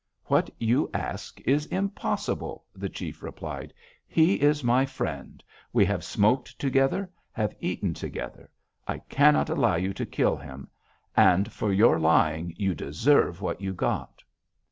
"'What you ask is impossible!' the chief replied. 'He is my friend! We have smoked together, have eaten together. I cannot allow you to kill him. And for your lying you deserve what you got!'